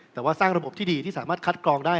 แต่ว่าสร้างระบบที่ดีที่สามารถคัดกรองได้